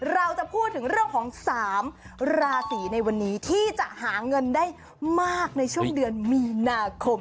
เราจะพูดถึงเรื่องของ๓ราศีในวันนี้ที่จะหาเงินได้มากในช่วงเดือนมีนาคม